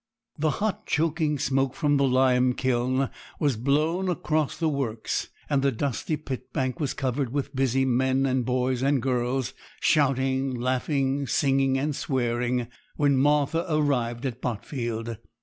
The hot, choking smoke from the limekiln was blowing across the works; and the dusty pit bank was covered with busy men and boys and girls, shouting, laughing, singing, and swearing, when Martha arrived at Botfield.